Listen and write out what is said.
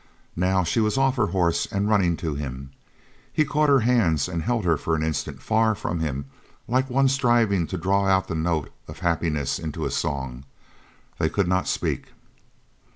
Now she was off her horse and running to him. He caught her hands and held her for an instant far from him like one striving to draw out the note of happiness into a song. They could not speak.